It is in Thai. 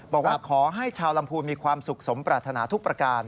บอกว่าขอให้ชาวลำพูนมีความสุขสมปรารถนาทุกประการ